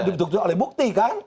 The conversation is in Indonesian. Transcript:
dijuk juk oleh bukti kan